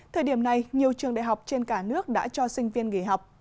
thời điểm này nhiều trường đại học trên cả nước đã cho sinh viên nghỉ học